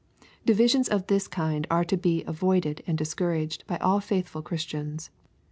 Divisions of this kind are to be avoided and discouraged by all faithful Chris tians.